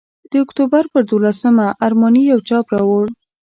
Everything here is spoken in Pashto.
د اکتوبر پر دوولسمه ارماني یو چاپ راوړ.